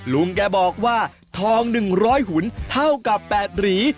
ลุงแกบอกว่าทอง๑๐๐หุ่นเท่ากับ๘หรี